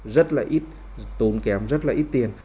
rất ít tốn kém rất ít tiền